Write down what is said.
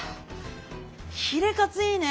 ヒレカツいいね。